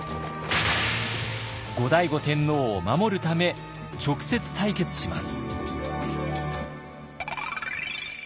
後醍醐天皇を守るため直接対決します。